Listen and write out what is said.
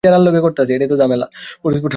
অন্য কোন মতে এই সমষ্টির ভাব তত পরিস্ফুট নহে।